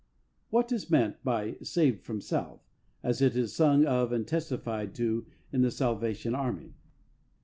What is meant by " saved from self" as it is sung of and testified to in The Salvation Army